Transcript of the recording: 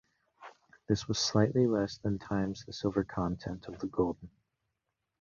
This was slightly less than times the silver content of the Gulden.